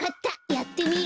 やってみる。